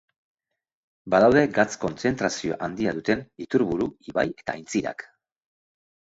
Badaude gatz-kontzentrazio handia duten iturburu, ibai eta aintzirak.